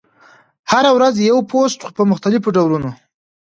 هره ورځ یو پوسټ، خو په مختلفو ډولونو: